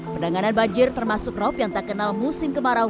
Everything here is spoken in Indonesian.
penanganan banjir termasuk rop yang tak kenal musim kemarau